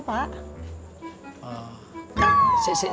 yang sel di mul pak